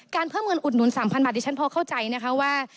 เพิ่มเงินอุดหนุน๓๐๐บาทดิฉันพอเข้าใจนะคะว่า